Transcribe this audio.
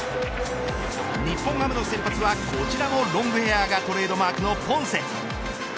日本ハムの先発は、こちらもロングヘアがトレードマークのポンセ。